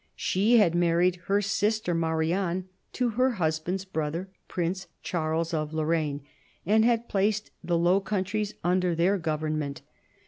She had married her sister Marianne to her husband's brother, Prince Charles of Lorraine, and had placed the Low Countries \ l under their government.